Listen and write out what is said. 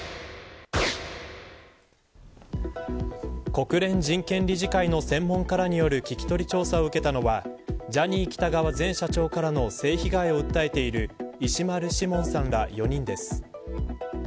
国連人権理事会の専門家らによる聞き取り調査を受けたのはジャニー喜多川前社長からの性被害を訴えている石丸志門さんら４人です。